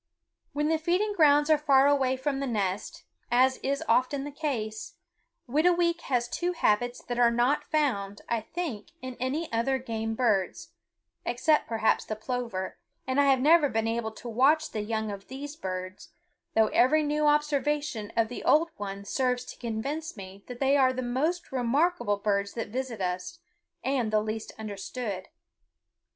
When the feeding grounds are far away from the nest, as is often the case, Whitooweek has two habits that are not found, I think, in any other game birds except perhaps the plover; and I have never been able to watch the young of these birds, though every new observation of the old ones serves to convince me that they are the most remarkable birds that visit us, and the least understood.